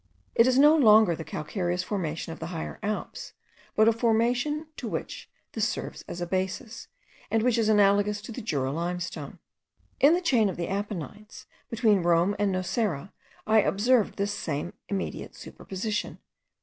It is no longer the calcareous formation of the Higher Alps, but a formation to which this serves as a basis, and which is analogous to the Jura limestone. In the chain of the Apennines, between Rome and Nocera, I observed this same immediate superposition.